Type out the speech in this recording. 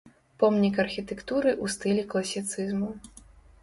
Помнік архітэктуры ў стылі класіцызму.